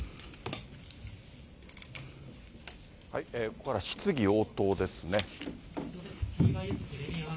ここからは質疑応答ですね。